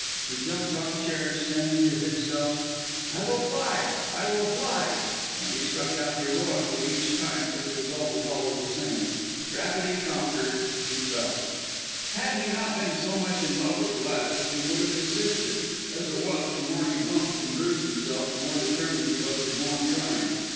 He jumped off chairs saying to himself, "I'll fly! I will fly," and he struck out heroically each time, but the result was always the same gravity conquered he fell. Had he not been so much in love with Gladys, he would have desisted; as it was, the more he bumped and bruised himself, the more determined he was to go on trying.